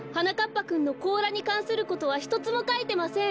ぱくんのこうらにかんすることはひとつもかいてません。